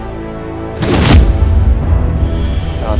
itu bosnya andin